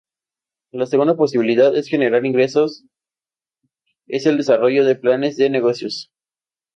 La segunda posibilidad es generar ingresos es el desarrollo de planes de negocios.